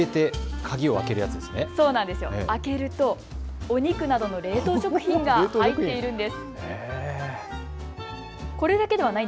開けるとお肉などの冷凍食品が入っているんです。